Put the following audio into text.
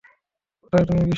কোথায় তুমি, বিশু?